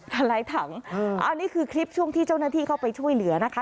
หลายถังอันนี้คือคลิปช่วงที่เจ้าหน้าที่เข้าไปช่วยเหลือนะคะ